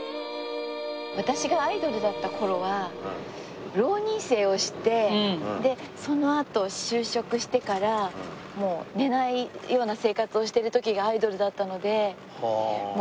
私がアイドルだった頃は浪人生をしてそのあと就職してから寝ないような生活をしてる時がアイドルだったので。